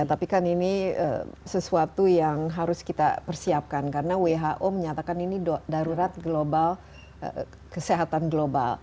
tapi kan ini sesuatu yang harus kita persiapkan karena who menyatakan ini darurat global kesehatan global